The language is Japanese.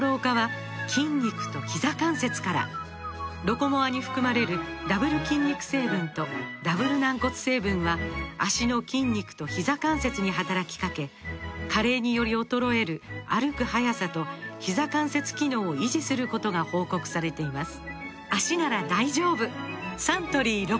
「ロコモア」に含まれるダブル筋肉成分とダブル軟骨成分は脚の筋肉とひざ関節に働きかけ加齢により衰える歩く速さとひざ関節機能を維持することが報告されています